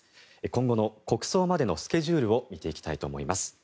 今後の国葬までのスケジュールを見ていきたいと思います。